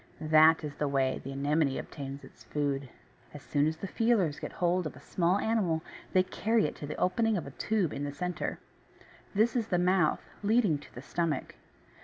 That is the way the Anemone obtains its food. As soon as the feelers get hold of a small animal they carry it to the opening of a tube in the centre. This is the mouth, leading to the stomach.